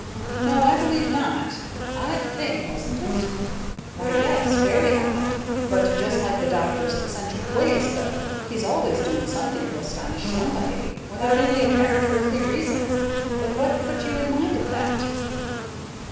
"No, I believe not. Odd thing, wasn't it?" "Why, yes, very odd, but just like the doctor's eccentric ways, though. He's always doing something to astonish somebody, without any apparent earthly reason. But what put you in mind of that?"